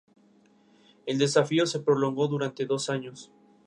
Tiene forma de herradura cuya concavidad está dirigida hacia atrás.